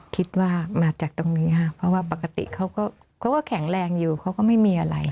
คิดว่ามาจากตรงนี้ค่ะเพราะว่าปกติเขาก็แข็งแรงอยู่เขาก็ไม่มีอะไร